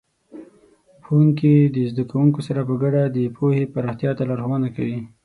ښوونکي د زده کوونکو سره په ګډه د پوهې پراختیا ته لارښوونه کوي.